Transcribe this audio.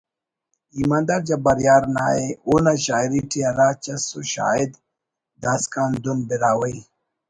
ایماندار جبار یار نا ءِ اونا شاعری ٹی ہرا چس ءِ شاید داسکان دُن براہوئی